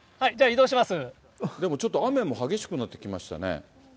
でもちょっと雨も激しくなってきましたね。